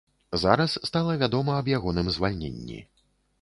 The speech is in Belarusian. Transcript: Зараз стала вядома аб ягоным звальненні.